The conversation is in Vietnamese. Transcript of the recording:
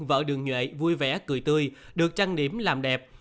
vợ đường nhuệ vui vẻ cười tươi được trang điểm làm đẹp